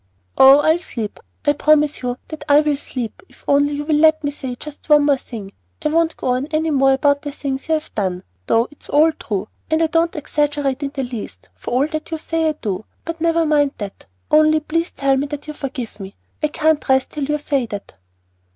"Oh, I'll sleep. I promise you that I will sleep if only you will let me say just one more thing. I won't go on any more about the things you have done, though it's all true, and I don't exaggerate in the least, for all that you say I do; but never mind that, only please tell me that you forgive me. I can't rest till you say that."